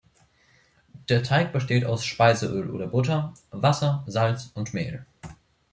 Der Teig besteht aus Speiseöl oder Butter, Wasser, Salz und Mehl.